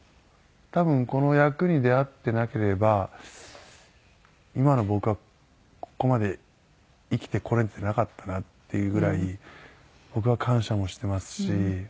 多分この役に出会っていなければ今の僕はここまで生きてこれてなかったなっていうぐらい僕は感謝もしてますし。